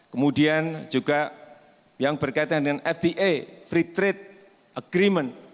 kemudian juga yang berkaitan dengan fta free trade agreement